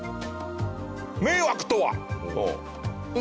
迷惑とは？